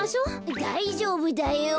だいじょうぶだよ。